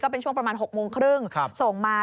เป็นช่วงประมาณ๖โมงครึ่งส่งมา